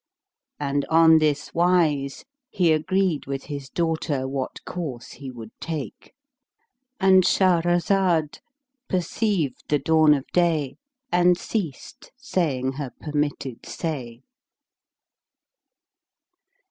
And on this wise he agreed with his daughter what course he would take.—And Shahrazad perceived the dawn of day and ceased saying her permitted say.